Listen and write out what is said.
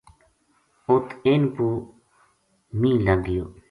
اُت اِنھ پو مییہ لگ گیو